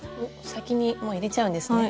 先にもう入れちゃうんですね。